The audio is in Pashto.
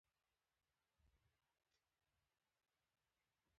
د علامه رشاد لیکنی هنر مهم دی ځکه چې کمونیزم غندي.